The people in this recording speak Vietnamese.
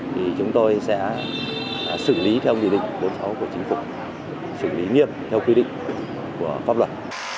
thì chúng tôi sẽ xử lý theo nghị định bốn mươi sáu của chính phủ xử lý nghiêm theo quy định của pháp luật